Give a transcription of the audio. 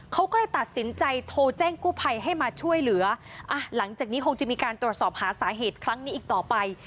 เขาก็เลยตัดสินใจโทรแจ้งกู้ภัยให้มาช่วยเหลืออ่ะหลังจากนี้คงจะมีการตรวจสอบหาสาเหตุครั้งนี้อีกต่อไป